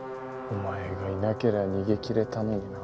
お前がいなけりゃ逃げ切れたのにな。